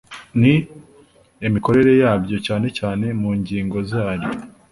n imikorere byayo cyane cyane mu ngingo zaryo